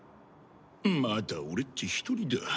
まだ俺っち一人だ。